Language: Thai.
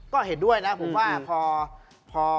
ก็เห็นด้วยนะผมว่าพอ